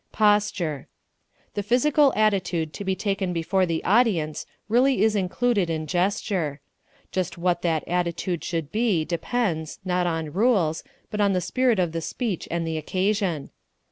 Posture The physical attitude to be taken before the audience really is included in gesture. Just what that attitude should be depends, not on rules, but on the spirit of the speech and the occasion.